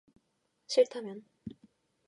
싫다면?